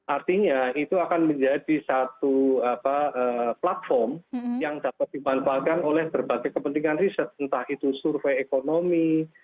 artinya itu akan menjadi satu platform yang dapat dimanfaatkan oleh berbagai kepentingan riset entah itu survei ekonomi